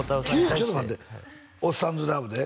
急にちょっと待って「おっさんずラブ」で？